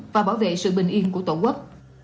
và bảo vệ sự bình yên của tổ quốc